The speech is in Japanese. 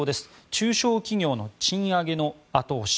中小企業の賃上げの後押し。